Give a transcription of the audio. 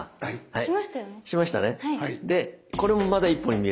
はい。